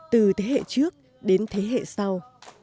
từ thế hệ trước đến thế hệ sau